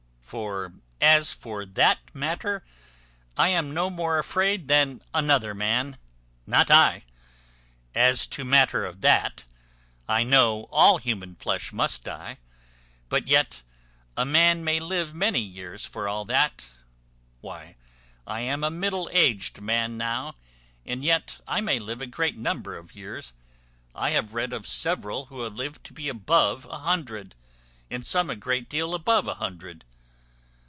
For as for that matter, I am no more afraid than another man, not I; as to matter of that. I know all human flesh must die; but yet a man may live many years, for all that. Why, I am a middle aged man now, and yet I may live a great number of years. I have read of several who have lived to be above a hundred, and some a great deal above a hundred.